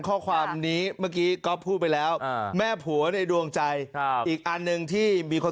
ข้อความนี้เมื่อกี้ก๊อฟพูดไปแล้วอ่าแม่ผัวในดวงใจอีกอันหนึ่งที่มีคน